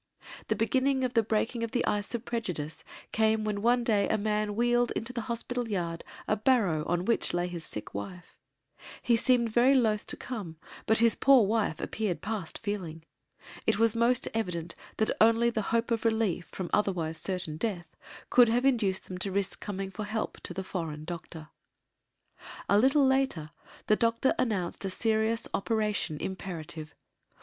The beginning of the breaking of the ice of prejudice came when one day a man wheeled into the hospital yard a barrow on which lay his sick wife. He seemed very loath to come but his poor wife appeared past feeling. It was most evident that only the hope of relief from otherwise certain death could have induced them to risk coming for help to the foreign doctor. A little later the doctor announced a serious operation imperative.